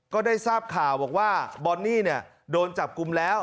ก็ได้ทราบข่าวบอกว่าบอนนี่โดนจับกลุ่มแล้ว